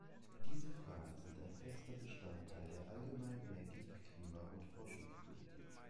Diese Fragen sind ein fester Bestandteil der allgemeinen Energie-, Klima- und Forschungspolitik.